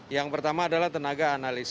yang pertama adalah tenaga analis